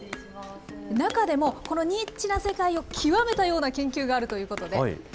中でも、このニッチな世界を極めたような研究があるということで。